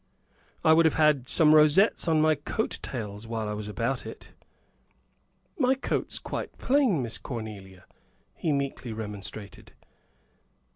I would have had some rosettes on my coat tails, while I was about it." "My coat's quite plain, Miss Cornelia," he meekly remonstrated.